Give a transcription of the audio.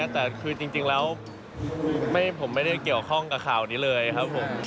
แต่คือจริงแล้วผมไม่ได้เกี่ยวข้องกับข่าวนี้เลยครับผม